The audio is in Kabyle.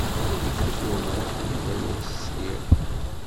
Win ifut wawal, yini-as: sliɣ!